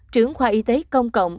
trưởng khoa y tế công cộng